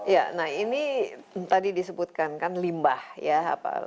ya nah ini tadi disebutkan kan limbah ya